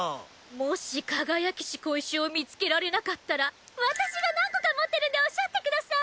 もし輝きし小石を見つけられなかったら私が何個か持ってるんでおっしゃってください。